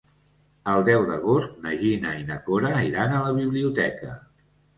El deu d'agost na Gina i na Cora iran a la biblioteca.